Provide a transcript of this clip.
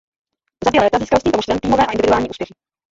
Za dvě léta získal s tímto mužstvem týmové a individuální úspěchy.